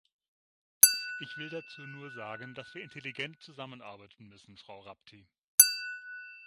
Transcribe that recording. Ich will dazu nur sagen, dass wir intelligent zusammenarbeiten müssen, Frau Rapti.